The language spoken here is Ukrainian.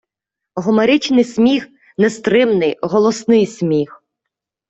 Гомеричний сміх - нестримний, голосний сміх